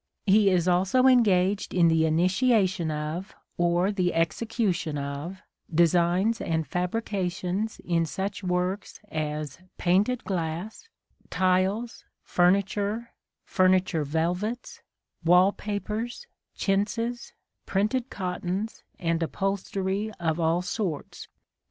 He is also engaged in the initiation of, or the execution of, designs and fabrications in such works as painted glass, tiles, furniture, furniture velvets, — wall papers, chintzes, printed cottons and upholstery of all sorts.